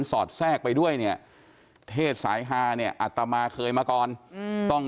สอดแทรกไปด้วยเนี่ยเทศสายฮาเนี่ยอัตมาเคยมาก่อนต้อง